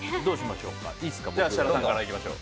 設楽さんからいきましょう。